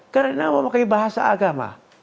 karena memakai bahasa agama